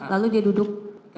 lalu dia duduk